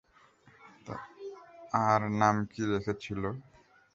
আর নাম কী রেখেছিল?